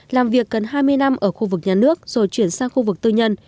làm việc gần hai mươi năm ở khu vực nhà nước rồi chuyển sang khu vực tư nhân